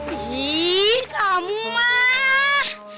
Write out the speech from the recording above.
ih kamu mah